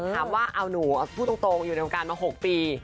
ถามว่าเอาหนูพูดตรงอยู่ในวงการมา๖ปี